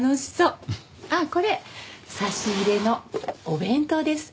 ああこれ差し入れのお弁当です。